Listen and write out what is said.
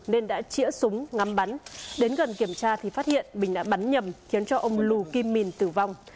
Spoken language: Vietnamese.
đã chỉa súng ngắm bắn đến gần kiểm tra thì phát hiện mình đã bắn nhầm khiến cho ông lù kim mìn tử vong